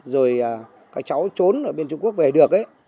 rồi cái chó trốn ở bên trung quốc về được